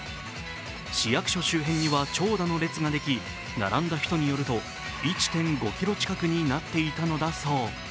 市役所周辺には長蛇の列ができ、並んだ人によると１．５ｋｍ近くになっていたそう。